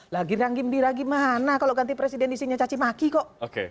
lagi riang gembira gimana kalau ganti presiden di sini cacimaki kok